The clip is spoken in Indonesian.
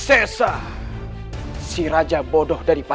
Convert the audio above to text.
ajerin ia secara berharga